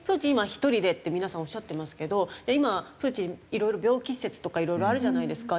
今１人でって皆さんおっしゃってますけど今プーチンいろいろ病気説とかいろいろあるじゃないですか。